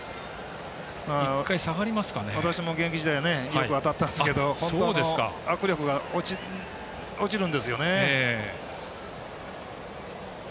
私も現役時代よく当たったんですけど、握力が落ちるんですよね。